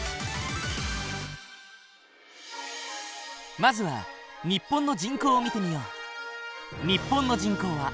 まずは日本の人口を見てみよう。